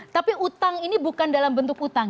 tapi utang ini bukan dalam bentuk utang